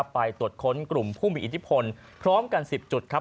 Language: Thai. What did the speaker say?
ไปตรวจค้นกลุ่มผู้มีอิทธิพลพร้อมกัน๑๐จุดครับ